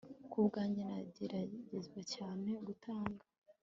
ku bwanjye nanezezwa cyane no gutanga